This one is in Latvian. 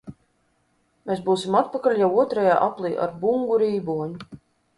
Mēs būsim atpakaļ jau otrajā aplī ar Bungu rīboņu!